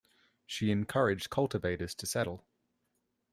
She encouraged cultivators to settle.